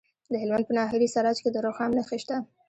د هلمند په ناهري سراج کې د رخام نښې شته.